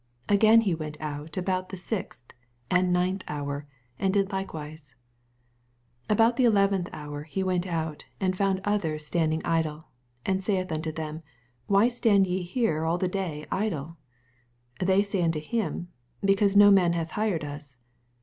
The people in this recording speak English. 5 Again he went out about the B*xth and ninth hour, and did like wise. 6 And about the eleventh hour he went out, and found others standing idle, and saith unto them. Why stand ye here all the day idle ? 7 They sa^ unto him, Because no man hath hired us.